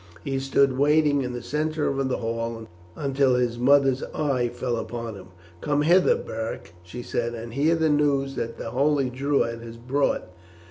He stood waiting in the centre of the hall until his mother's eye fell upon him. "Come hither, Beric," she said, "and hear the news that the holy Druid has brought.